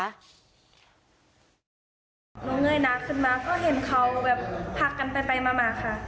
หนูเงยหนาขึ้นมาก็เห็นเขาแบบผักกันไปมาค่ะ